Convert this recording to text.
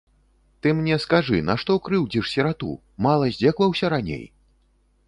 Ты мне скажы, нашто крыўдзіш сірату, мала здзекаваўся раней?